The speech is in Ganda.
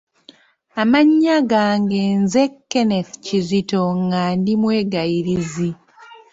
Amannya gange nze Kenneth Kizito nga ndi Mwegayirizi